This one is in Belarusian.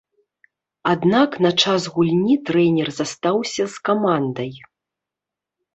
Аднак на час гульні трэнер застаўся з камандай.